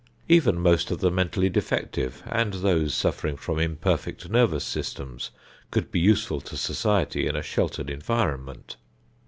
Even most of the mentally defective and those suffering from imperfect nervous systems could be useful to society in a sheltered environment.